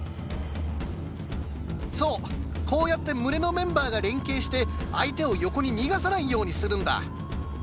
そうこうやって群れのメンバーが連携して相手を横に逃がさないようにするんだ。